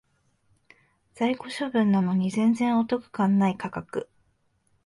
在庫処分なのに全然お得感ない価格